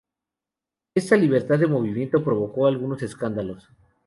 Esta libertad de movimiento provocó algunos escándalos.